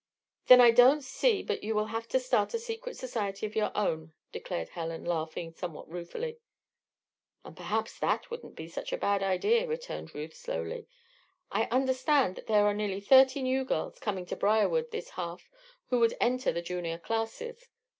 "Then I don't see but you will have to start a secret society of your own," declared Helen, laughing somewhat ruefully. "And perhaps that wouldn't be such a bad idea," returned Ruth, slowly. "I understand that there are nearly thirty new girls coming to Briarwood this half who will enter the Junior classes.